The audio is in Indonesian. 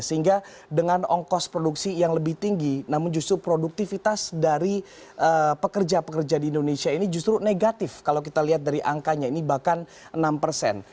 sehingga dengan ongkos produksi yang lebih tinggi namun justru produktivitas dari pekerja pekerja di indonesia ini justru negatif kalau kita lihat dari angkanya ini bahkan enam persen